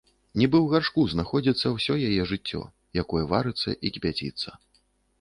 Нібы ў гаршку знаходзіцца ўсё яе жыццё, якое варыцца і кіпяціцца.